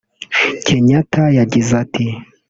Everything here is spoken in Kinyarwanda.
Kenyatta yagize ati